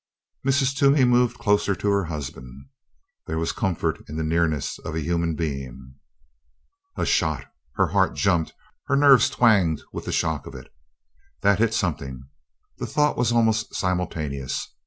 Mrs. Toomey moved closer to her husband. There was comfort in the nearness of a human being. A shot! Her heart jumped her nerves twanged with the shock of it. "That hit something!" The thought was almost simultaneous.